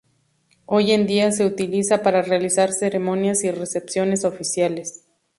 Hoy en día se utiliza para realizar ceremonias y recepciones oficiales.